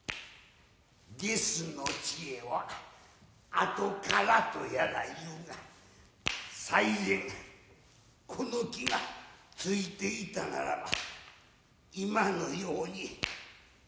「下種の知恵はあとから」とやら言うが最前この気が付いていたならば今のように飛ばすまいものを。